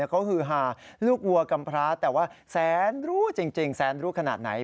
เขาฮือหาลูกวัวกำพร้าแต่ว่าแสนรู้จริงแสนรู้ขนาดไหน